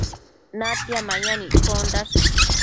natia mayan iccondash